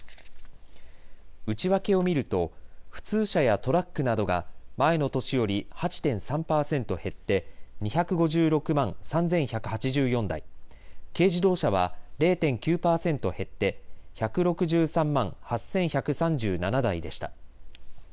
内訳を見ると普通車やトラックなどが前の年より８．３％減って、２５６万３１８４台、軽自動車は０．９％減って１６３万８１３７台でした。